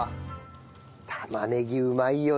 玉ねぎうまいよね。